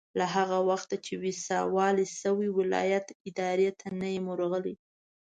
له هغه وخته چې ويساء والي شوی ولایت ادارې ته نه یم ورغلی.